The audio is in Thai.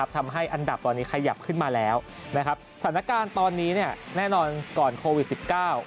ทำให้อันดับตอนนี้ขยับขึ้นมาแล้วสถานการณ์ตอนนี้แน่นอนก่อนโควิด๑๙